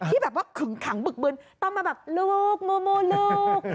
ที่ตำรวจที่แบบว่าขังบึกบึนต้องมาแบบลูกมูมูลูกอย่างนี้